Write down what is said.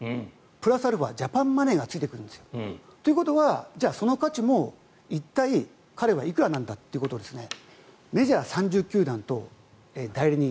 プラスアルファジャパンマネーがついてくるんですよ。ということはその価値も一体彼はいくらなんだってことをメジャー３０球団と代理人